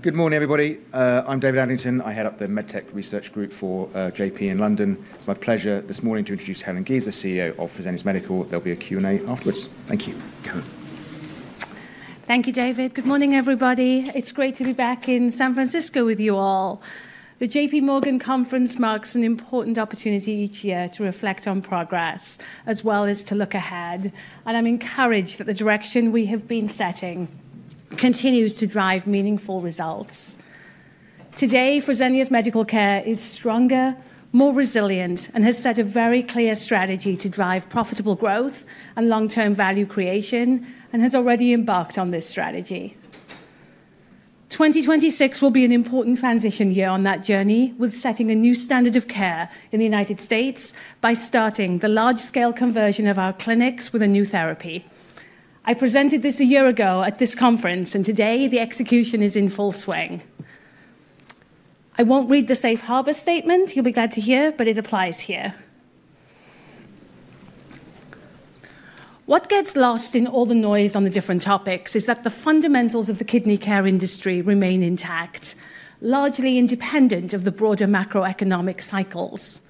Good morning, everybody. I'm David Adlington. I head up the MedTech Research Group for JP in London. It's my pleasure this morning to introduce Helen Giza, CEO of Fresenius Medical. There'll be a Q&A afterwards. Thank you, Helen. Thank you, David. Good morning, everybody. It's great to be back in San Francisco with you all. The J.P. Morgan Conference marks an important opportunity each year to reflect on progress, as well as to look ahead, and I'm encouraged that the direction we have been setting continues to drive meaningful results. Today, Fresenius Medical Care is stronger, more resilient, and has set a very clear strategy to drive profitable growth and long-term value creation, and has already embarked on this strategy. 2026 will be an important transition year on that journey, with setting a new standard of care in the United States by starting the large-scale conversion of our clinics with a new therapy. I presented this a year ago at this conference, and today the execution is in full swing. I won't read the safe harbor statement. You'll be glad to hear, but it applies here. What gets lost in all the noise on the different topics is that the fundamentals of the kidney care industry remain intact, largely independent of the broader macroeconomic cycles.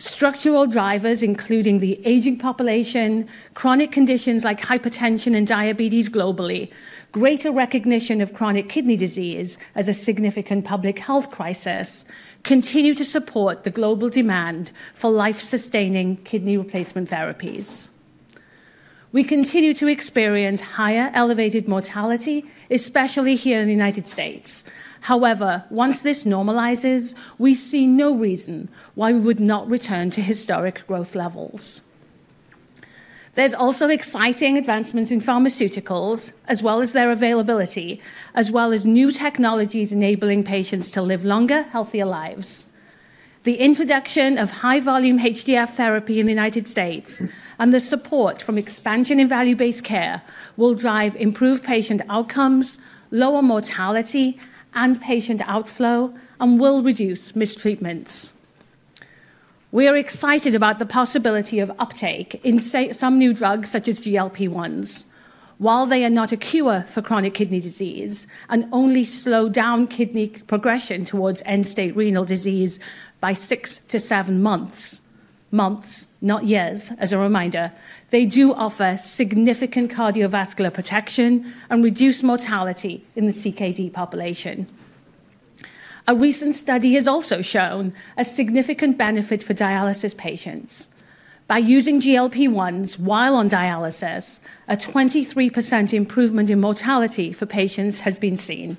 Structural drivers, including the aging population, chronic conditions like hypertension and diabetes globally, greater recognition of chronic kidney disease as a significant public health crisis, continue to support the global demand for life-sustaining kidney replacement therapies. We continue to experience higher elevated mortality, especially here in the United States. However, once this normalizes, we see no reason why we would not return to historic growth levels. There's also exciting advancements in pharmaceuticals, as well as their availability, as well as new technologies enabling patients to live longer, healthier lives. The introduction of high-volume HDF therapy in the United States and the support from expansion in value-based care will drive improved patient outcomes, lower mortality, and patient outflow, and will reduce mistreatments. We are excited about the possibility of uptake in some new drugs, such as GLP-1s. While they are not a cure for chronic kidney disease and only slow down kidney progression towards end-stage renal disease by six to seven months, not years, as a reminder, they do offer significant cardiovascular protection and reduce mortality in the CKD population. A recent study has also shown a significant benefit for dialysis patients. By using GLP-1s while on dialysis, a 23% improvement in mortality for patients has been seen.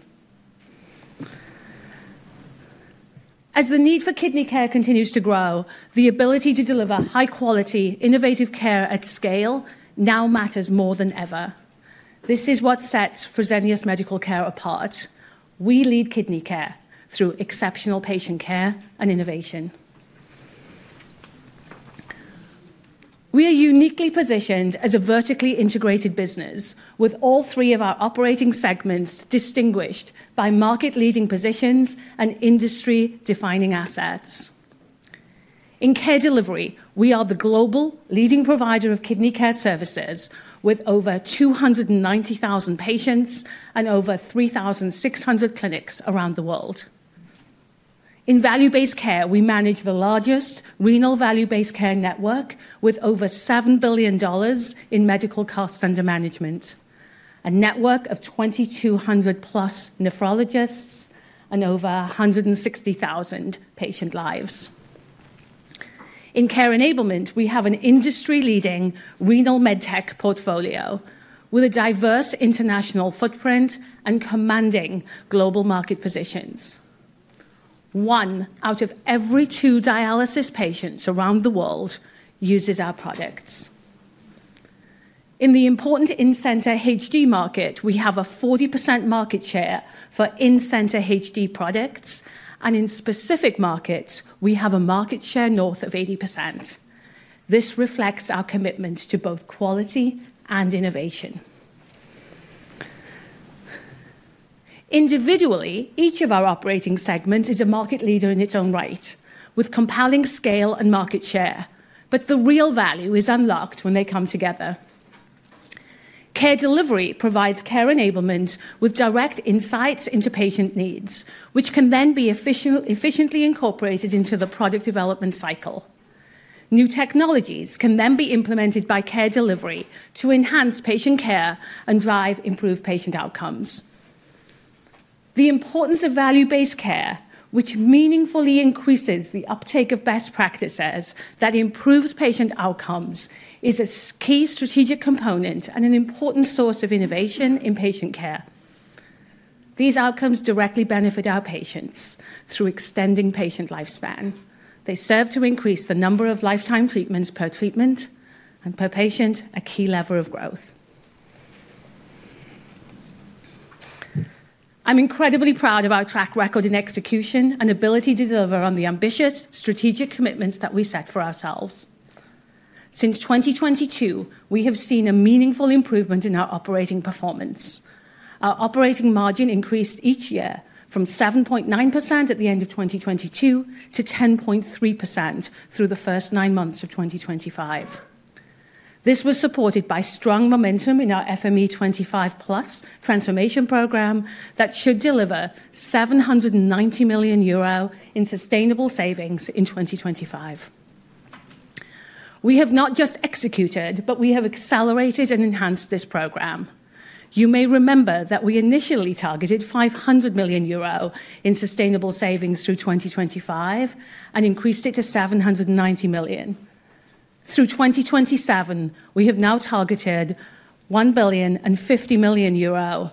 As the need for kidney care continues to grow, the ability to deliver high-quality, innovative care at scale now matters more than ever. This is what sets Fresenius Medical Care apart. We lead kidney care through exceptional patient care and innovation. We are uniquely positioned as a vertically integrated business, with all three of our operating segments distinguished by market-leading positions and industry-defining assets. In Care Delivery, we are the global leading provider of kidney care services, with over 290,000 patients and over 3,600 clinics around the world. In Value-Based Care, we manage the largest renal value-based care network, with over $7 billion in medical costs under management, a network of 2,200-plus nephrologists and over 160,000 patient lives. In Care Enablement, we have an industry-leading renal medtech portfolio with a diverse international footprint and commanding global market positions. One out of every two dialysis patients around the world uses our products. In the important in-center HD market, we have a 40% market share for in-center HD products, and in specific markets, we have a market share north of 80%. This reflects our commitment to both quality and innovation. Individually, each of our operating segments is a market leader in its own right, with compelling scale and market share, but the real value is unlocked when they come together. Care Delivery provides Care Enablement with direct insights into patient needs, which can then be efficiently incorporated into the product development cycle. New technologies can then be implemented by Care Delivery to enhance patient care and drive improved patient outcomes. The importance of Value-Based Care, which meaningfully increases the uptake of best practices that improves patient outcomes, is a key strategic component and an important source of innovation in patient care. These outcomes directly benefit our patients through extending patient lifespan. They serve to increase the number of lifetime treatments per treatment and per patient, a key lever of growth. I'm incredibly proud of our track record in execution and ability to deliver on the ambitious strategic commitments that we set for ourselves. Since 2022, we have seen a meaningful improvement in our operating performance. Our operating margin increased each year from 7.9% at the end of 2022 to 10.3% through the first nine months of 2025. This was supported by strong momentum in our FME25+ transformation program that should deliver € 790 million in sustainable savings in 2025. We have not just executed, but we have accelerated and enhanced this program. You may remember that we initially targeted € 500 million in sustainable savings through 2025 and increased it to € 790 million. Through 2027, we have now targeted € 1 billion and € 50 million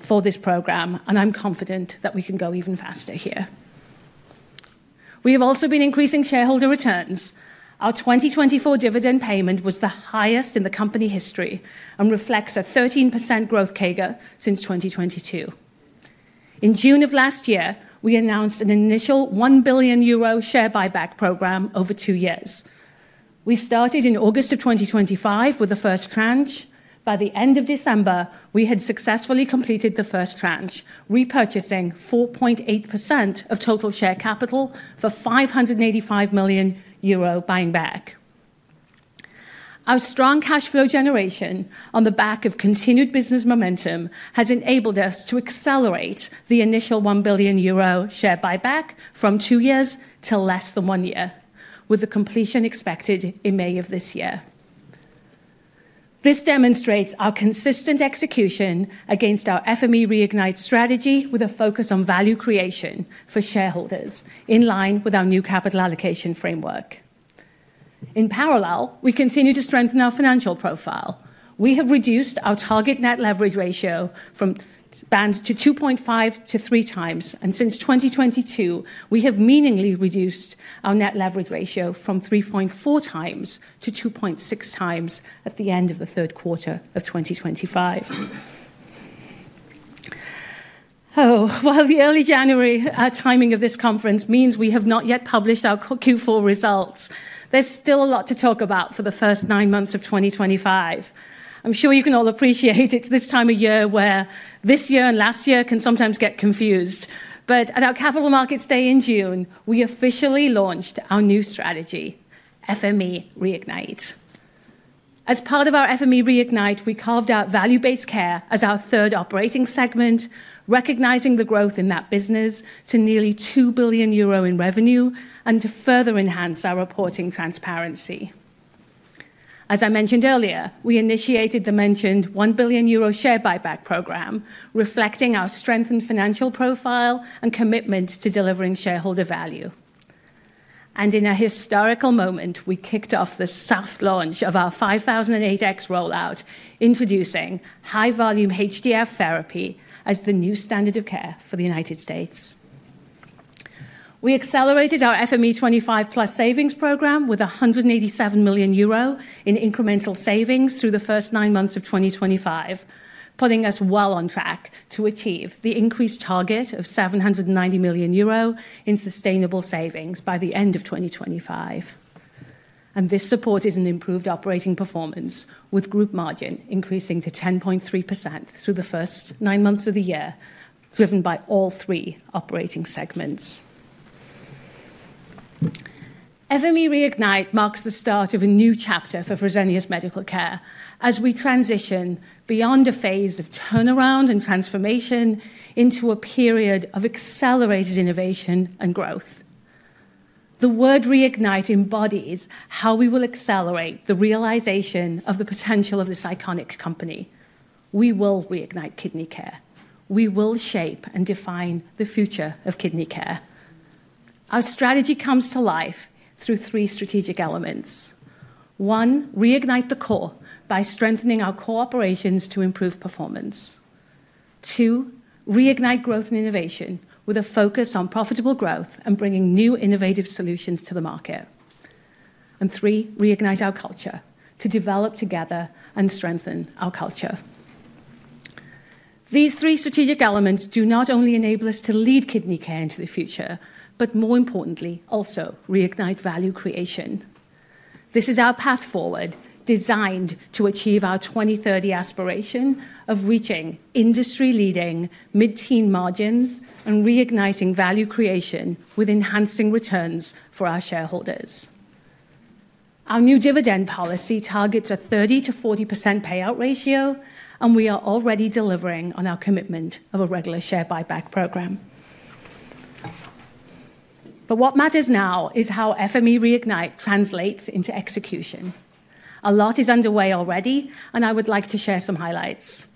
for this program, and I'm confident that we can go even faster here. We have also been increasing shareholder returns. Our 2024 dividend payment was the highest in the company history and reflects a 13% growth CAGR since 2022. In June of last year, we announced an initial 1 billion euro share buyback program over two years. We started in August of 2025 with the first tranche. By the end of December, we had successfully completed the first tranche, repurchasing 4.8% of total share capital for 585 million euro buying back. Our strong cash flow generation on the back of continued business momentum has enabled us to accelerate the initial 1 billion euro share buyback from two years to less than one year, with the completion expected in May of this year. This demonstrates our consistent execution against our FME Reignite strategy, with a focus on value creation for shareholders in line with our new capital allocation framework. In parallel, we continue to strengthen our financial profile. We have reduced our target net leverage ratio from band to 2.5 to three times, and since 2022, we have meaningfully reduced our net leverage ratio from 3.4 times to 2.6 times at the end of the third quarter of 2025. Oh, while the early January timing of this conference means we have not yet published our Q4 results, there's still a lot to talk about for the first nine months of 2025. I'm sure you can all appreciate it's this time of year where this year and last year can sometimes get confused. But at our capital markets day in June, we officially launched our new strategy, FME Reignite. As part of our FME Reignite, we carved out Value-Based Care as our third operating segment, recognizing the growth in that business to nearly €2 billion in revenue and to further enhance our reporting transparency. As I mentioned earlier, we initiated the mentioned € 1 billion share buyback program, reflecting our strengthened financial profile and commitment to delivering shareholder value. In a historical moment, we kicked off the soft launch of our 5008S rollout, introducing high-volume HDF therapy as the new standard of care for the United States. We accelerated our FME25+ savings program with € 187 million in incremental savings through the first nine months of 2025, putting us well on track to achieve the increased target of € 790 million in sustainable savings by the end of 2025. This support is an improved operating performance, with group margin increasing to 10.3% through the first nine months of the year, driven by all three operating segments. FME Reignite marks the start of a new chapter for Fresenius Medical Care as we transition beyond a phase of turnaround and transformation into a period of accelerated innovation and growth. The word reignite embodies how we will accelerate the realization of the potential of this iconic company. We will reignite kidney care. We will shape and define the future of kidney care. Our strategy comes to life through three strategic elements. One, reignite the core by strengthening our core operations to improve performance. Two, reignite growth and innovation with a focus on profitable growth and bringing new innovative solutions to the market. And three, reignite our culture to develop together and strengthen our culture. These three strategic elements do not only enable us to lead kidney care into the future, but more importantly, also reignite value creation. This is our path forward designed to achieve our 2030 aspiration of reaching industry-leading mid-teen margins and reigniting value creation with enhancing returns for our shareholders. Our new dividend policy targets a 30%-40% payout ratio, and we are already delivering on our commitment of a regular share buyback program. But what matters now is how FME Reignite translates into execution. A lot is underway already, and I would like to share some highlights.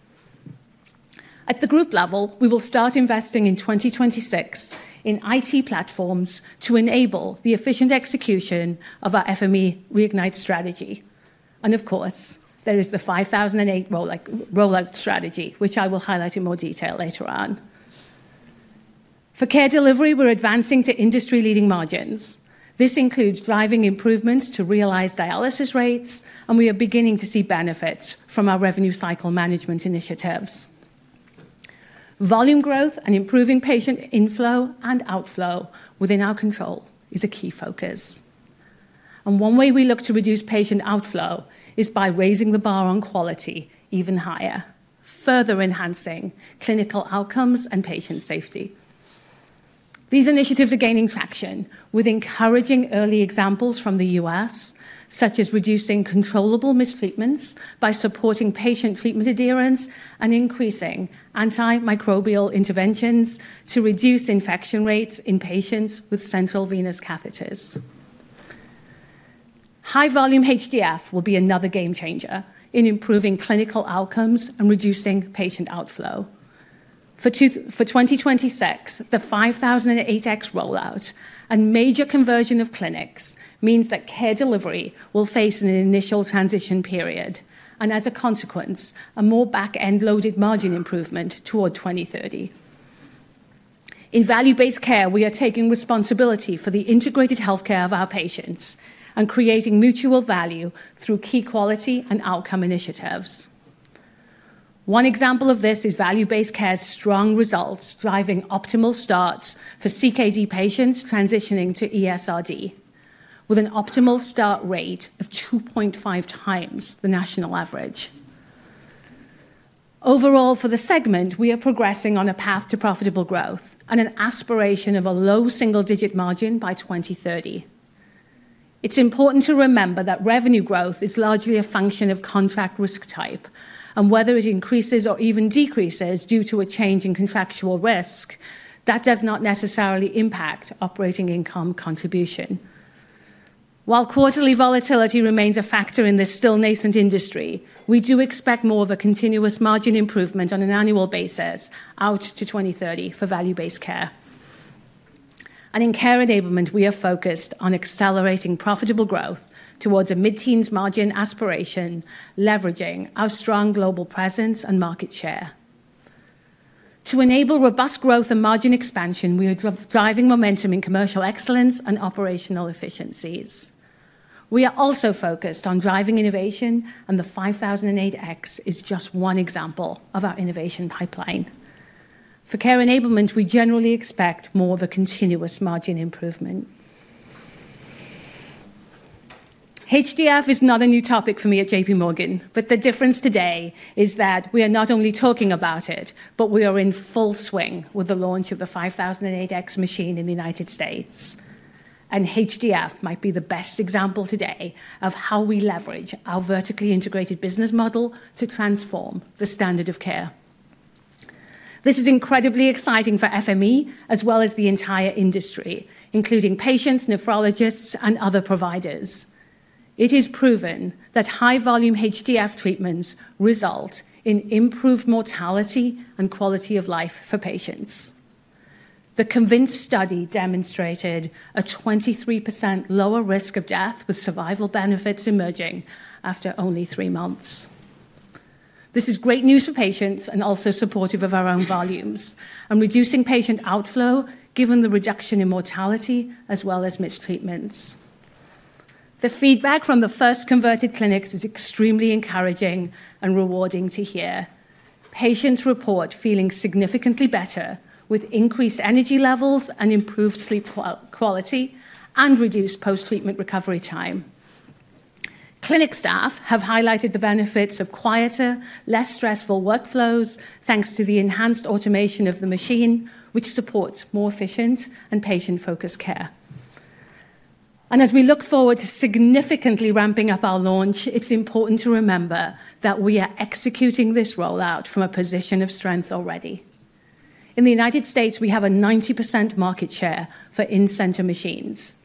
At the group level, we will start investing in 2026 in IT platforms to enable the efficient execution of our FME Reignite strategy. And of course, there is the 5008 rollout strategy, which I will highlight in more detail later on. For Care Delivery, we're advancing to industry-leading margins. This includes driving improvements to realized dialysis rates, and we are beginning to see benefits from our revenue cycle management initiatives. Volume growth and improving patient inflow and outflow within our control is a key focus, and one way we look to reduce patient outflow is by raising the bar on quality even higher, further enhancing clinical outcomes and patient safety. These initiatives are gaining traction with encouraging early examples from the U.S., such as reducing controllable missed treatments by supporting patient treatment adherence and increasing antimicrobial interventions to reduce infection rates in patients with central venous catheters. High-volume HDF will be another game changer in improving clinical outcomes and reducing patient outflow. For 2026, the 5008S rollout and major conversion of clinics means that care delivery will face an initial transition period and, as a consequence, a more back-end loaded margin improvement toward 2030. In value-based care, we are taking responsibility for the integrated healthcare of our patients and creating mutual value through key quality and outcome initiatives. One example of this is value-based care's strong results driving optimal starts for CKD patients transitioning to ESRD, with an optimal start rate of 2.5 times the national average. Overall, for the segment, we are progressing on a path to profitable growth and an aspiration of a low single-digit margin by 2030. It's important to remember that revenue growth is largely a function of contract risk type, and whether it increases or even decreases due to a change in contractual risk, that does not necessarily impact operating income contribution. While quarterly volatility remains a factor in this still nascent industry, we do expect more of a continuous margin improvement on an annual basis out to 2030 for value-based care. And in care enablement, we are focused on accelerating profitable growth towards a mid-teens margin aspiration, leveraging our strong global presence and market share. To enable robust growth and margin expansion, we are driving momentum in commercial excellence and operational efficiencies. We are also focused on driving innovation, and the 5008S is just one example of our innovation pipeline. For Care Enablement, we generally expect more of a continuous margin improvement. HDF is not a new topic for me at JPMorgan, but the difference today is that we are not only talking about it, but we are in full swing with the launch of the 5008S machine in the United States. And HDF might be the best example today of how we leverage our vertically integrated business model to transform the standard of care. This is incredibly exciting for FME as well as the entire industry, including patients, nephrologists, and other providers. It is proven that high-volume HDF treatments result in improved mortality and quality of life for patients. The CONVINCE study demonstrated a 23% lower risk of death with survival benefits emerging after only three months. This is great news for patients and also supportive of our own volumes and reducing patient outflow given the reduction in mortality as well as missed treatments. The feedback from the first converted clinics is extremely encouraging and rewarding to hear. Patients report feeling significantly better with increased energy levels and improved sleep quality and reduced post-treatment recovery time. Clinic staff have highlighted the benefits of quieter, less stressful workflows thanks to the enhanced automation of the machine, which supports more efficient and patient-focused care. And as we look forward to significantly ramping up our launch, it's important to remember that we are executing this rollout from a position of strength already. In the United States, we have a 90% market share for in-center machines.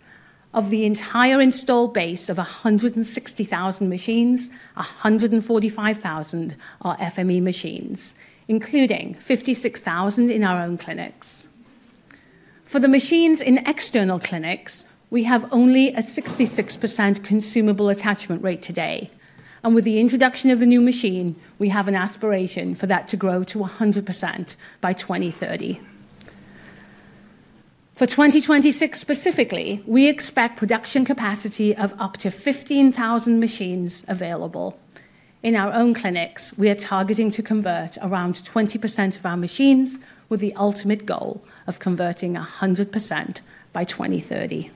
Of the entire installed base of 160,000 machines, 145,000 are FME machines, including 56,000 in our own clinics. For the machines in external clinics, we have only a 66% consumable attachment rate today. And with the introduction of the new machine, we have an aspiration for that to grow to 100% by 2030. For 2026 specifically, we expect production capacity of up to 15,000 machines available. In our own clinics, we are targeting to convert around 20% of our machines with the ultimate goal of converting 100% by 2030.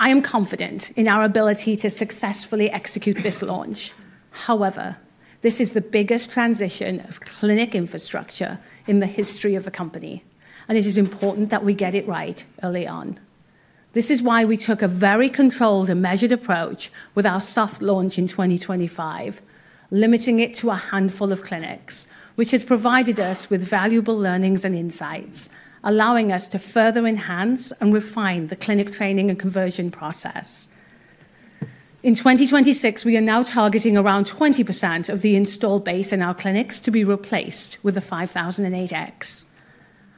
I am confident in our ability to successfully execute this launch. However, this is the biggest transition of clinic infrastructure in the history of the company, and it is important that we get it right early on. This is why we took a very controlled and measured approach with our soft launch in 2025, limiting it to a handful of clinics, which has provided us with valuable learnings and insights, allowing us to further enhance and refine the clinic training and conversion process. In 2026, we are now targeting around 20% of the installed base in our clinics to be replaced with the 5008S,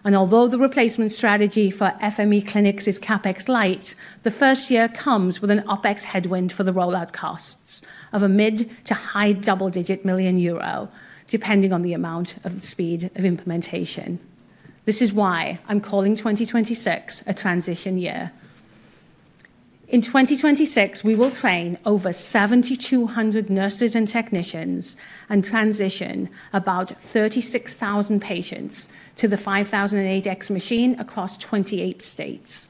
and although the replacement strategy for FME clinics is CapEx light, the first year comes with an OpEx headwind for the rollout costs of a mid- to high double-digit million EUR, depending on the amount of speed of implementation. This is why I'm calling 2026 a transition year. In 2026, we will train over 7,200 nurses and technicians and transition about 36,000 patients to the 5008S machine across 28 states.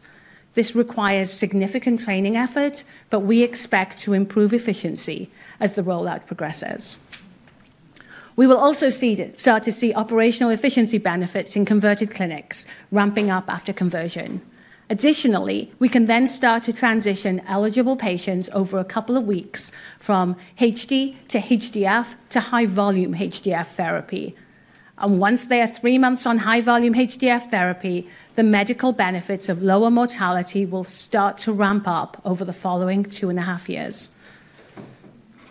This requires significant training effort, but we expect to improve efficiency as the rollout progresses. We will also start to see operational efficiency benefits in converted clinics ramping up after conversion. Additionally, we can then start to transition eligible patients over a couple of weeks from HD to HDF to high-volume HDF therapy. And once they are three months on high-volume HDF therapy, the medical benefits of lower mortality will start to ramp up over the following two and a half years.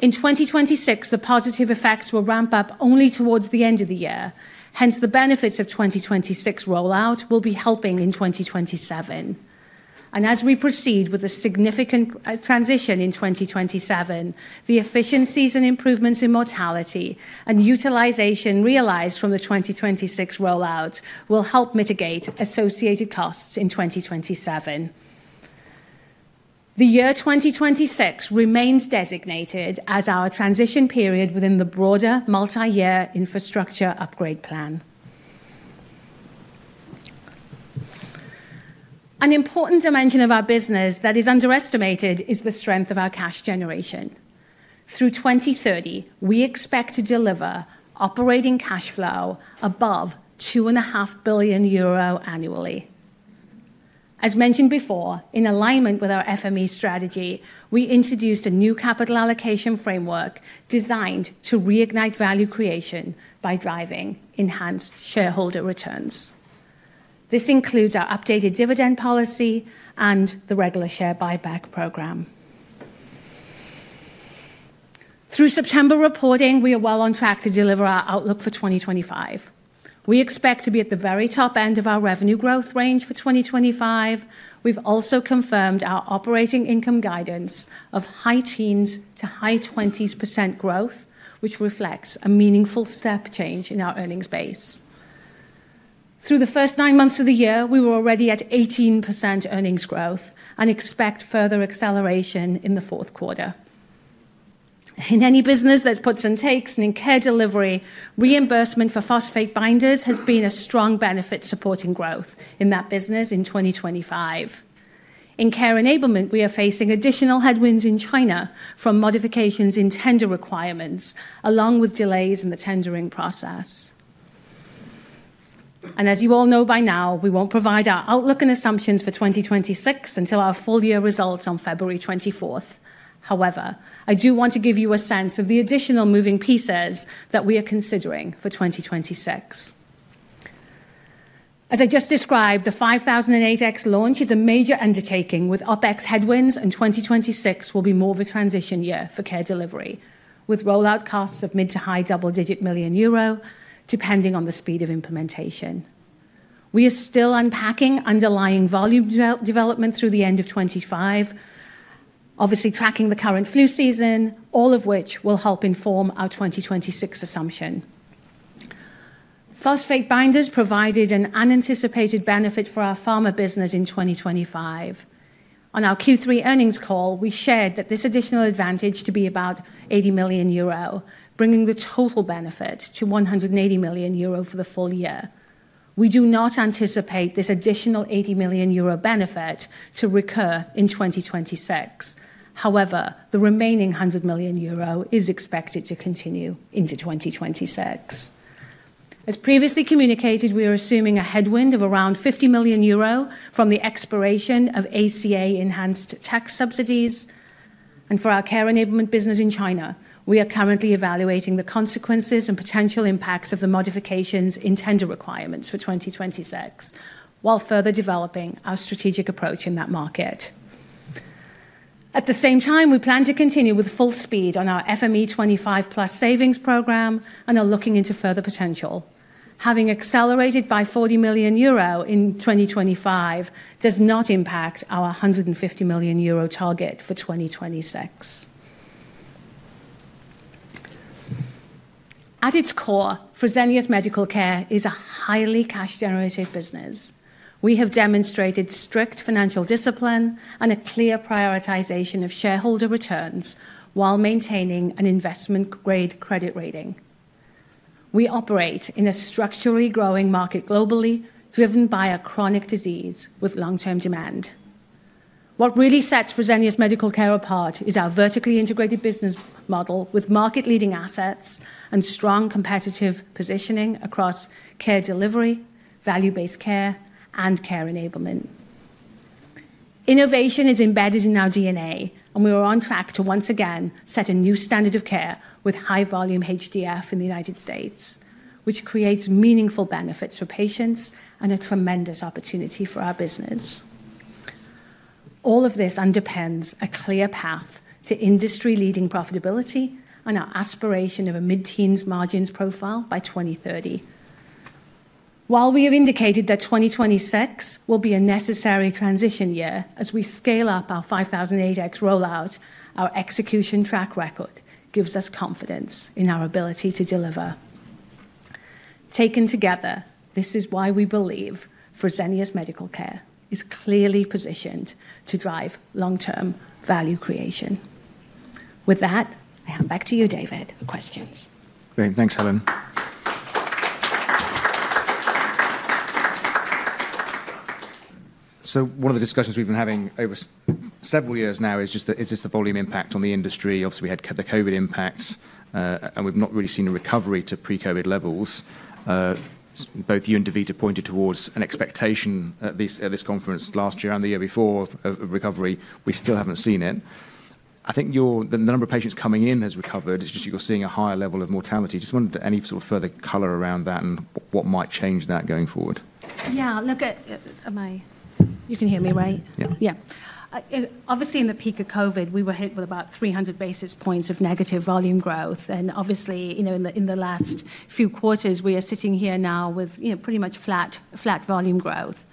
In 2026, the positive effects will ramp up only towards the end of the year. Hence, the benefits of 2026 rollout will be helping in 2027. And as we proceed with a significant transition in 2027, the efficiencies and improvements in mortality and utilization realized from the 2026 rollout will help mitigate associated costs in 2027. The year 2026 remains designated as our transition period within the broader multi-year infrastructure upgrade plan. An important dimension of our business that is underestimated is the strength of our cash generation. Through 2030, we expect to deliver operating cash flow above € 2.5 billion annually. As mentioned before, in alignment with our FME strategy, we introduced a new capital allocation framework designed to reignite value creation by driving enhanced shareholder returns. This includes our updated dividend policy and the regular share buyback program. Through September reporting, we are well on track to deliver our outlook for 2025. We expect to be at the very top end of our revenue growth range for 2025. We've also confirmed our operating income guidance of high teens to high twenties% growth, which reflects a meaningful step change in our earnings base. Through the first nine months of the year, we were already at 18% earnings growth and expect further acceleration in the fourth quarter. In any business that puts and takes in care delivery, reimbursement for phosphate binders has been a strong benefit supporting growth in that business in 2025. In care enablement, we are facing additional headwinds in China from modifications in tender requirements, along with delays in the tendering process. And as you all know by now, we won't provide our outlook and assumptions for 2026 until our full year results on February 24th. However, I do want to give you a sense of the additional moving pieces that we are considering for 2026. As I just described, the 5008S launch is a major undertaking with OpEx headwinds, and 2026 will be more of a transition year for care delivery, with rollout costs of mid- to high double-digit million euro, depending on the speed of implementation. We are still unpacking underlying volume development through the end of 2025, obviously tracking the current flu season, all of which will help inform our 2026 assumption. Phosphate binders provided an unanticipated benefit for our pharma business in 2025. On our Q3 earnings call, we shared that this additional advantage to be about 80 million euro, bringing the total benefit to 180 million euro for the full year. We do not anticipate this additional 80 million euro benefit to recur in 2026. However, the remaining 100 million euro is expected to continue into 2026. As previously communicated, we are assuming a headwind of around €50 million from the expiration of ACA enhanced tax subsidies, and for our Care Enablement business in China, we are currently evaluating the consequences and potential impacts of the modifications in tender requirements for 2026 while further developing our strategic approach in that market. At the same time, we plan to continue with full speed on our FME25 plus savings program and are looking into further potential. Having accelerated by €40 million in 2025 does not impact our €150 million target for 2026. At its core, Fresenius Medical Care is a highly cash-generated business. We have demonstrated strict financial discipline and a clear prioritization of shareholder returns while maintaining an investment-grade credit rating. We operate in a structurally growing market globally, driven by a chronic disease with long-term demand. What really sets Fresenius Medical Care apart is our vertically integrated business model with market-leading assets and strong competitive positioning across care delivery, value-based care, and care enablement. Innovation is embedded in our DNA, and we are on track to once again set a new standard of care with high-volume HDF in the United States, which creates meaningful benefits for patients and a tremendous opportunity for our business. All of this underpins a clear path to industry-leading profitability and our aspiration of a mid-teens margins profile by 2030. While we have indicated that 2026 will be a necessary transition year as we scale up our 5008S rollout, our execution track record gives us confidence in our ability to deliver. Taken together, this is why we believe Fresenius Medical Care is clearly positioned to drive long-term value creation. With that, I hand back to you, David, for questions. Great. Thanks, Helen. One of the discussions we've been having over several years now is just that: is this the volume impact on the industry? Obviously, we had the COVID impacts, and we've not really seen a recovery to pre-COVID levels. Both you and DaVita pointed towards an expectation at this conference last year and the year before of recovery. We still haven't seen it. I think the number of patients coming in has recovered. It's just you're seeing a higher level of mortality. Just wondered any sort of further color around that and what might change that going forward. Yeah. You can hear me, right? Yeah. Yeah. Obviously, in the peak of COVID, we were hit with about 300 basis points of negative volume growth. And obviously, you know, in the last few quarters, we are sitting here now with pretty much flat volume growth.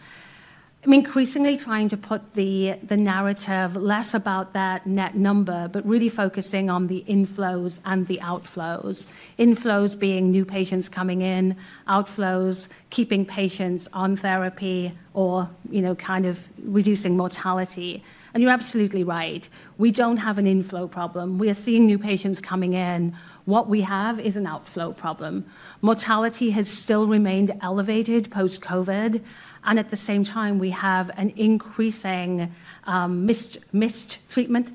I'm increasingly trying to put the narrative less about that net number, but really focusing on the inflows and the outflows. Inflows being new patients coming in, outflows keeping patients on therapy or kind of reducing mortality, and you're absolutely right. We don't have an inflow problem. We are seeing new patients coming in. What we have is an outflow problem. Mortality has still remained elevated post-COVID, and at the same time, we have an increasing missed treatment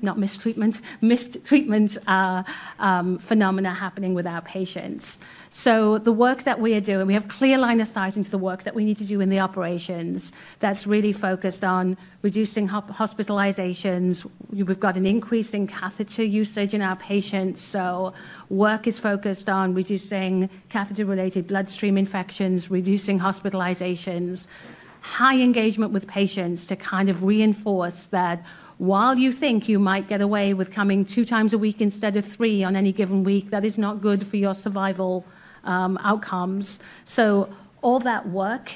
phenomena happening with our patients. The work that we are doing, we have clear line of sight into the work that we need to do in the operations that's really focused on reducing hospitalizations. We've got an increase in catheter usage in our patients. Work is focused on reducing catheter-related bloodstream infections, reducing hospitalizations, high engagement with patients to kind of reinforce that while you think you might get away with coming two times a week instead of three on any given week, that is not good for your survival outcomes. All that work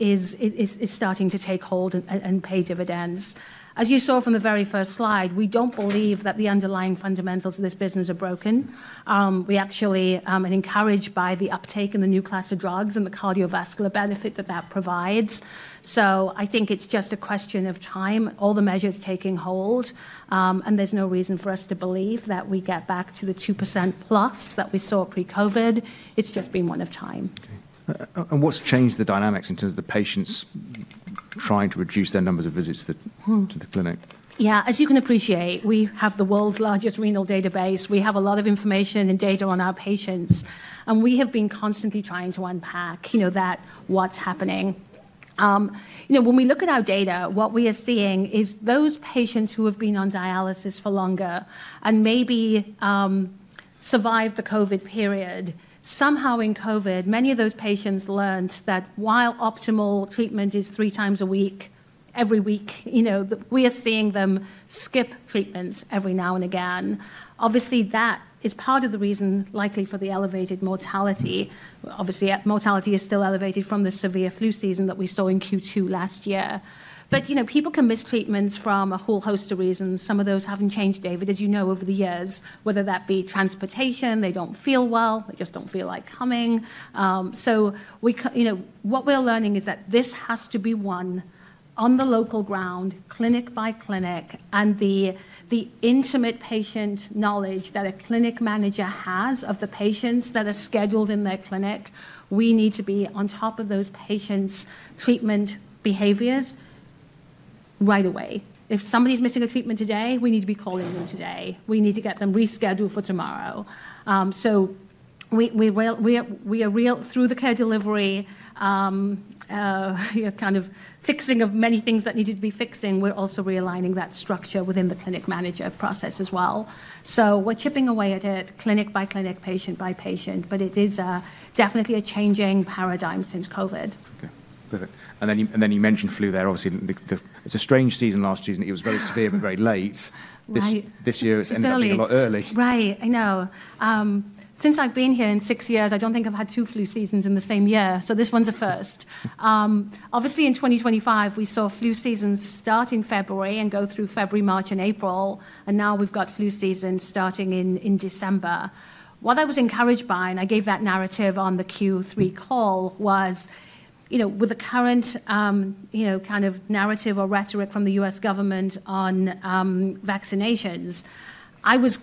is starting to take hold and pay dividends. As you saw from the very first slide, we don't believe that the underlying fundamentals of this business are broken. We are actually encouraged by the uptake in the new class of drugs and the cardiovascular benefit that that provides. I think it's just a question of time. All the measures taking hold, and there's no reason for us to believe that we get back to the 2% plus that we saw pre-COVID. It's just a matter of time. And what's changed the dynamics in terms of the patients trying to reduce their numbers of visits to the clinic? Yeah, as you can appreciate, we have the world's largest renal database. We have a lot of information and data on our patients, and we have been constantly trying to unpack that what's happening. When we look at our data, what we are seeing is those patients who have been on dialysis for longer and maybe survived the COVID period. Somehow in COVID, many of those patients learned that while optimal treatment is three times a week, every week, we are seeing them skip treatments every now and again. Obviously, that is part of the reason likely for the elevated mortality. Obviously, mortality is still elevated from the severe flu season that we saw in Q2 last year. But people can miss treatments from a whole host of reasons. Some of those haven't changed, David, as you know, over the years, whether that be transportation, they don't feel well, they just don't feel like coming. So what we're learning is that this has to be one on the local ground, clinic by clinic, and the intimate patient knowledge that a clinic manager has of the patients that are scheduled in their clinic. We need to be on top of those patients' treatment behaviors right away. If somebody's missing a treatment today, we need to be calling them today. We need to get them rescheduled for tomorrow. So we are really through the Care Delivery, kind of fixing many things that needed fixing. We're also realigning that structure within the clinic manager process as well. So we're chipping away at it clinic by clinic, patient by patient, but it is definitely a changing paradigm since COVID. Okay, perfect. And then you mentioned flu there. Obviously, it's a strange season. Last season it was very severe, but very late. This year, it's ended up being a lot earlier. Right. I know. Since I've been here in six years, I don't think I've had two flu seasons in the same year. So this one's a first. Obviously, in 2025, we saw flu seasons start in February and go through February, March, and April. And now we've got flu seasons starting in December. What I was encouraged by, and I gave that narrative on the Q3 call, was with the current kind of narrative or rhetoric from the U.S. government on vaccinations, I was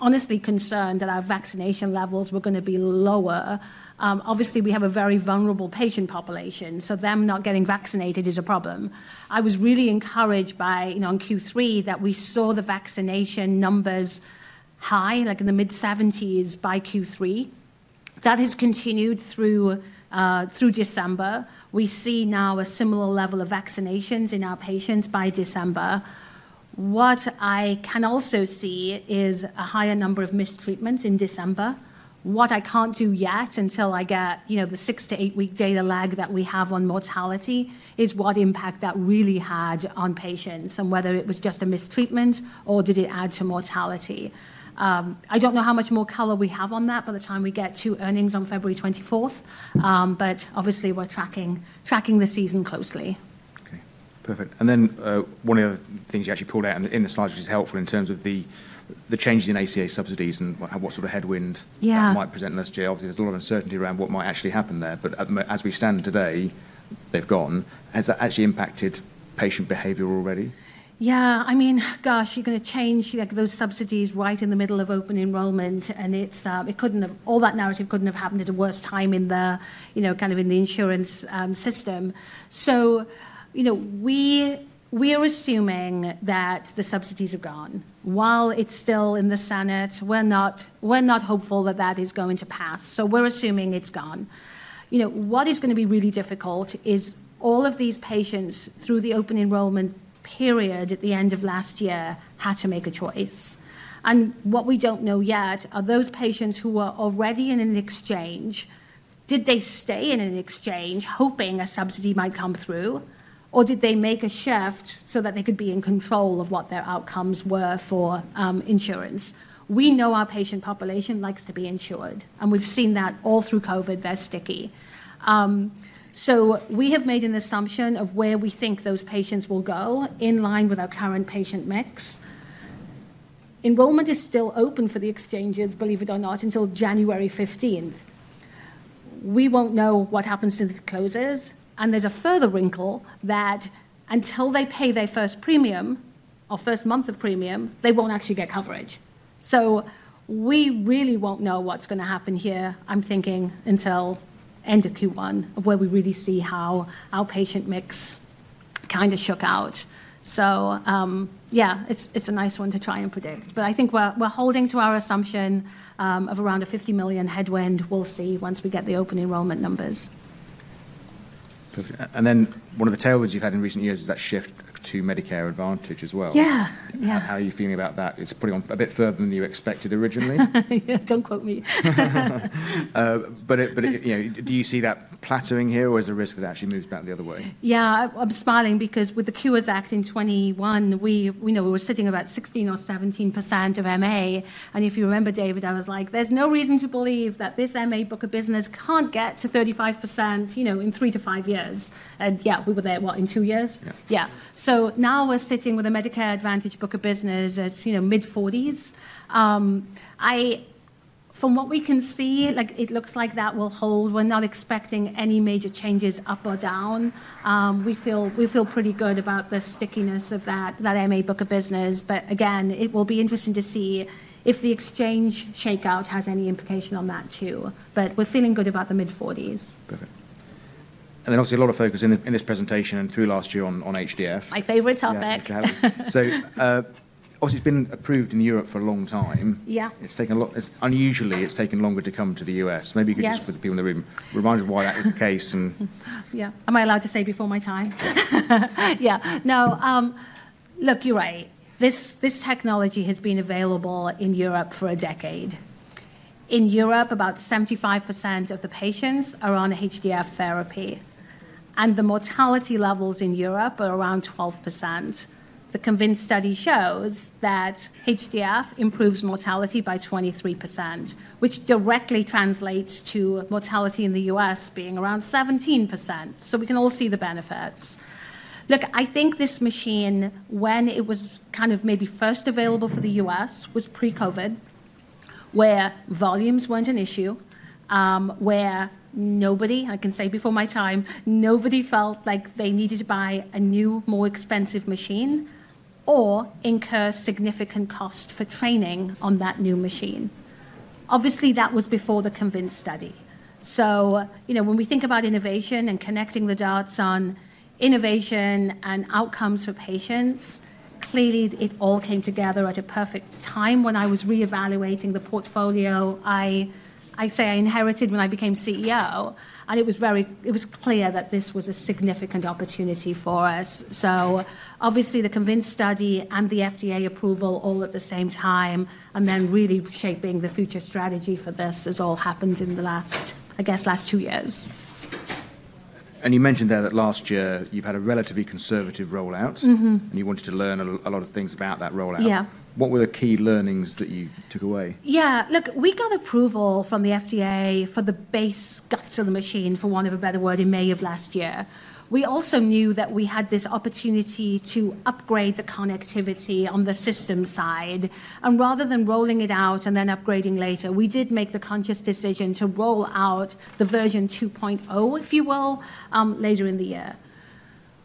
honestly concerned that our vaccination levels were going to be lower. Obviously, we have a very vulnerable patient population, so them not getting vaccinated is a problem. I was really encouraged by, in Q3, that we saw the vaccination numbers high, like in the mid-70s by Q3. That has continued through December. We see now a similar level of vaccinations in our patients by December. What I can also see is a higher number of missed treatments in December. What I can't do yet until I get the six-to-eight-week data lag that we have on mortality is what impact that really had on patients and whether it was just a missed treatment or did it add to mortality. I don't know how much more color we have on that by the time we get to earnings on February 24th, but obviously we're tracking the season closely. Okay, perfect. And then one of the things you actually pulled out in the slides, which is helpful in terms of the changes in ACA subsidies and what sort of headwinds that might present next year. Obviously, there's a lot of uncertainty around what might actually happen there. But as we stand today, they've gone. Has that actually impacted patient behavior already? Yeah, I mean, gosh, you're going to change those subsidies right in the middle of open enrollment, and all that narrative couldn't have happened at a worse time in the kind of insurance system. So we are assuming that the subsidies are gone. While it's still in the Senate, we're not hopeful that that is going to pass. So we're assuming it's gone. What is going to be really difficult is all of these patients through the open enrollment period at the end of last year had to make a choice. And what we don't know yet are those patients who were already in an exchange, did they stay in an exchange hoping a subsidy might come through, or did they make a shift so that they could be in control of what their outcomes were for insurance? We know our patient population likes to be insured, and we've seen that all through COVID. They're sticky, so we have made an assumption of where we think those patients will go in line with our current patient mix. Enrollment is still open for the exchanges, believe it or not, until January 15th. We won't know what happens to the closers. There's a further wrinkle that until they pay their first premium or first month of premium, they won't actually get coverage. We really won't know what's going to happen here, I'm thinking, until end of Q1 of where we really see how our patient mix kind of shook out. Yeah, it's a nice one to try and predict. I think we're holding to our assumption of around a €50 million headwind. We'll see once we get the open enrollment numbers. Perfect. Then one of the tailwinds you've had in recent years is that shift to Medicare Advantage as well. Yeah. How are you feeling about that? It's putting on a bit further than you expected originally. Don't quote me. But do you see that plateauing here, or is there a risk that it actually moves back the other way? Yeah, I'm smiling because with the Cures Act in 2021, we were sitting about 16% or 17% of MA. And if you remember, David, I was like, there's no reason to believe that this MA book of business can't get to 35% in three to five years. And yeah, we were there, what, in two years? Yeah. So now we're sitting with a Medicare Advantage book of business at mid-40s%. From what we can see, it looks like that will hold. We're not expecting any major changes up or down. We feel pretty good about the stickiness of that MA book of business. But again, it will be interesting to see if the exchange shakeout has any implication on that too. But we're feeling good about the mid-40s%. Perfect. And then obviously a lot of focus in this presentation and through last year on HDF. My favorite topic. So obviously it's been approved in Europe for a long time. Yeah. It's taken a lot. Unusually, it's taken longer to come to the U.S. Maybe you could just for the people in the room, remind us why that is the case. Yeah. Am I allowed to say before my time? Yeah. No, look, you're right. This technology has been available in Europe for a decade. In Europe, about 75% of the patients are on HDF therapy, and the mortality levels in Europe are around 12%. The CONVINCE study shows that HDF improves mortality by 23%, which directly translates to mortality in the U.S. being around 17%. So we can all see the benefits. Look, I think this machine, when it was kind of maybe first available for the U.S., was pre-COVID, where volumes weren't an issue, where nobody, I can say before my time, nobody felt like they needed to buy a new, more expensive machine or incur significant cost for training on that new machine. Obviously, that was before the CONVINCE study, so when we think about innovation and connecting the dots on innovation and outcomes for patients, clearly it all came together at a perfect time when I was reevaluating the portfolio I say I inherited when I became CEO, and it was clear that this was a significant opportunity for us, so obviously the CONVINCE study and the FDA approval all at the same time, and then really shaping the future strategy for this has all happened in the last, I guess, last two years. You mentioned that last year you've had a relatively conservative rollout, and you wanted to learn a lot of things about that rollout. What were the key learnings that you took away? Yeah, look, we got approval from the FDA for the base guts of the machine, for want of a better word, in May of last year. We also knew that we had this opportunity to upgrade the connectivity on the system side. And rather than rolling it out and then upgrading later, we did make the conscious decision to roll out the version 2.0, if you will, later in the year.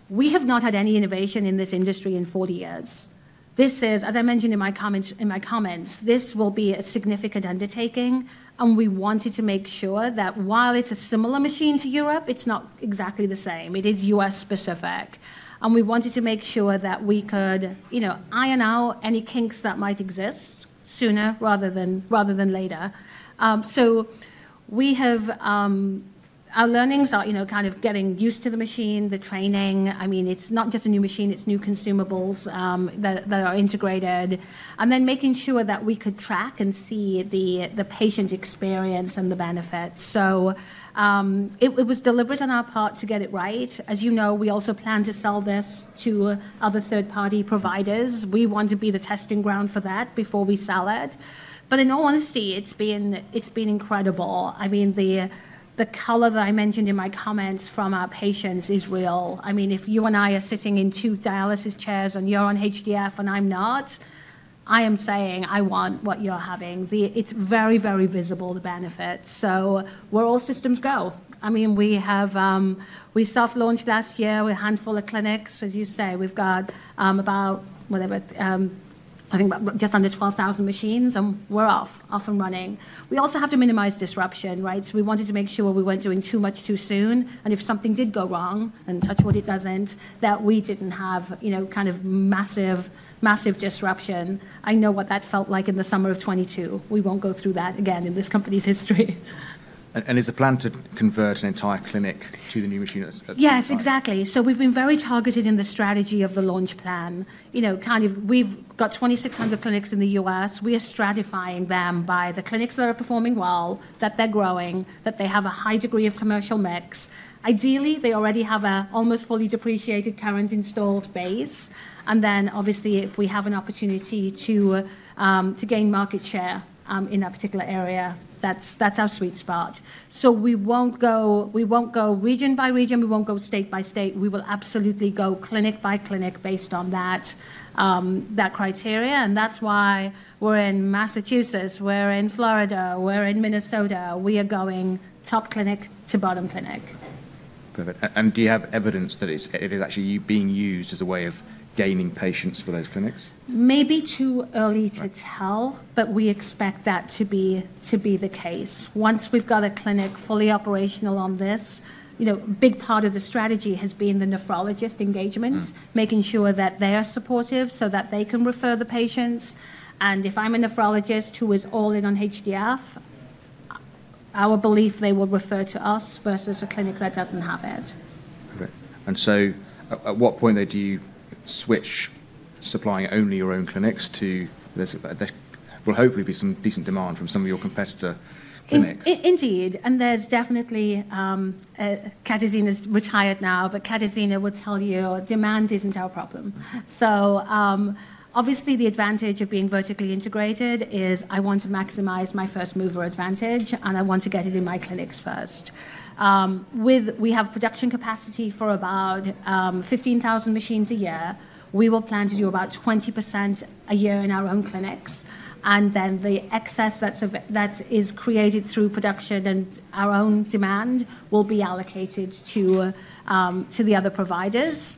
We have not had any innovation in this industry in 40 years. This is, as I mentioned in my comments, this will be a significant undertaking. And we wanted to make sure that while it's a similar machine to Europe, it's not exactly the same. It is U.S. specific. And we wanted to make sure that we could iron out any kinks that might exist sooner rather than later. So our learnings are kind of getting used to the machine, the training. I mean, it's not just a new machine, it's new consumables that are integrated. And then making sure that we could track and see the patient experience and the benefits. So it was deliberate on our part to get it right. As you know, we also plan to sell this to other third-party providers. We want to be the testing ground for that before we sell it. But in all honesty, it's been incredible. I mean, the color that I mentioned in my comments from our patients is real. I mean, if you and I are sitting in two dialysis chairs and you're on HDF and I'm not, I am saying I want what you're having. It's very, very visible, the benefits. So we're all systems go. I mean, we self-launched last year with a handful of clinics. As you say, we've got about, whatever, I think just under 12,000 machines, and we're off and running. We also have to minimize disruption, right? So we wanted to make sure we weren't doing too much too soon, and if something did go wrong, and such, which it doesn't, that we didn't have kind of massive disruption. I know what that felt like in the summer of 2022. We won't go through that again in this company's history. And is the plan to convert an entire clinic to the new machine? Yes, exactly. So we've been very targeted in the strategy of the launch plan. Kind of we've got 2,600 clinics in the U.S. We are stratifying them by the clinics that are performing well, that they're growing, that they have a high degree of commercial mix. Ideally, they already have an almost fully depreciated current installed base. And then obviously, if we have an opportunity to gain market share in that particular area, that's our sweet spot. So we won't go region by region. We won't go state by state. We will absolutely go clinic by clinic based on that criteria. And that's why we're in Massachusetts, we're in Florida, we're in Minnesota. We are going top clinic to bottom clinic. Perfect. And do you have evidence that it is actually being used as a way of gaining patients for those clinics? Maybe too early to tell, but we expect that to be the case. Once we've got a clinic fully operational on this, a big part of the strategy has been the nephrologist engagement, making sure that they are supportive so that they can refer the patients. And if I'm a nephrologist who is all in on HDF, our belief they will refer to us versus a clinic that doesn't have it. Perfect. And so at what point do you switch supplying only your own clinics to. There will hopefully be some decent demand from some of your competitor clinics. Indeed. And there's definitely Katarzyna has retired now, but Katarzyna will tell you demand isn't our problem. So obviously, the advantage of being vertically integrated is I want to maximize my first mover advantage, and I want to get it in my clinics first. We have production capacity for about 15,000 machines a year. We will plan to do about 20% a year in our own clinics. And then the excess that is created through production and our own demand will be allocated to the other providers.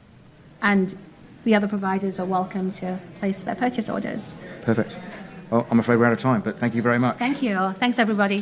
And the other providers are welcome to place their purchase orders. Perfect. Well, I'm afraid we're out of time, but thank you very much. Thank you. Thanks, everybody.